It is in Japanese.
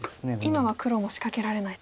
今は黒も仕掛けられないと。